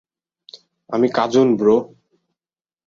আমি কাজুন, ব্রো।